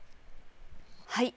はい。